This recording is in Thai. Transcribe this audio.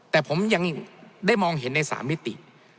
แต่ผมยังได้มองเห็นใน๓มิติ